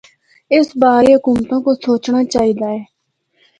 اس بارے حکومتاں کو سوچنڑا چاہی دا اے۔